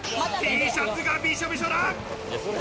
Ｔシャツがびしょびしょだ。